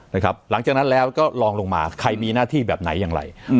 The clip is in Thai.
หลังจากนั้นแล้วก็ลองลงมาใครมีหน้าที่แบบไหนอย่างไร